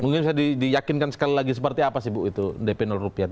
mungkin bisa diyakinkan sekali lagi seperti apa sih bu itu dp rupiah